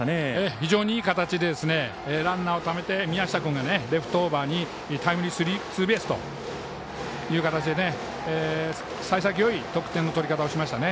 非常にいい形でランナーをためて宮下君がレフトオーバーにタイムリーツーベースという形で幸先よい得点の取り方をしました。